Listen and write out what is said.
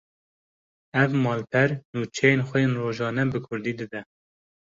Ev malper, nûçeyên xwe yên rojane bi Kurdî dide